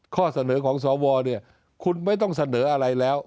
ข้อเสนอของสวเนี่ยคุณไม่ต้องเสนออะไรแล้ว